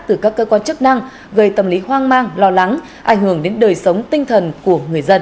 từ các cơ quan chức năng gây tâm lý hoang mang lo lắng ảnh hưởng đến đời sống tinh thần của người dân